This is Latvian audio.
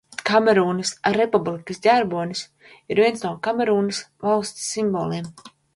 Kamerūnas Republikas ģerbonis ir viens no Kamerūnas valsts simboliem.